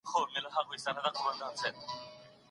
د پښتو ژبي د کلمو د صحیح تلفظ لپاره املا اړینه ده.